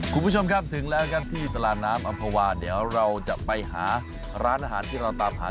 คุณผู้ชมครับถึงแล้วครับที่ตลาดน้ำอำภาวาเดี๋ยวเราจะไปหาร้านอาหารที่เราตามหา